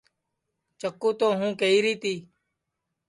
چکُو تو ہوں کیہری تی